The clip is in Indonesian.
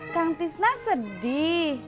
kang tisna sedih